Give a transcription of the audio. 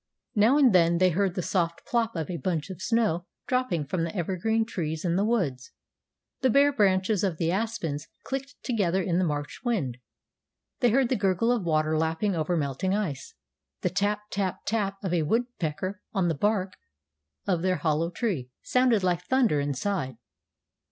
Now and then they heard the soft plop of a bunch of snow dropping from the evergreen trees in the woods. The bare branches of the aspens clicked together in the March wind. They heard the gurgle of water lapping over melting ice. The tap tap tap of a woodpecker on the bark of their hollow tree sounded like thunder inside.